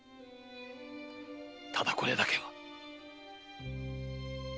ただこれだけは。